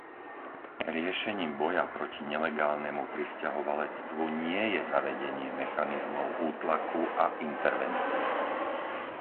Riešením boja proti nelegálnemu prisťahovalectvu nie je zavedenie mechanizmov útlaku a intervencie.